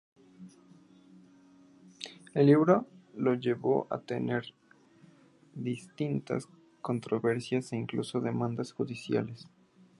El libro la llevó a tener distintas controversias e incluso demandas judiciales.